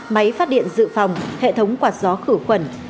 máy phát điện dự phòng hệ thống quạt gió khử khuẩn